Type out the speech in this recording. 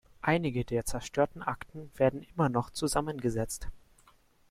Einige der zerstörten Akten werden immer noch zusammengesetzt.